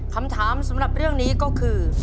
คำถามสำหรับเรื่องนี้ก็คือ